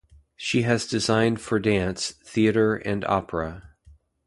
She has designed for dance, theater, and opera.